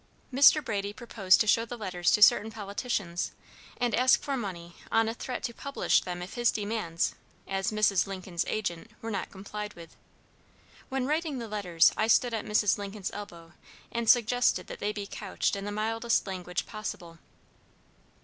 Mr. Brady proposed to show the letters to certain politicians, and ask for money on a threat to publish them if his demands, as Mrs. Lincoln's agent, were not complied with. When writing the letters I stood at Mrs. Lincoln's elbow, and suggested that they be couched in the mildest language possible.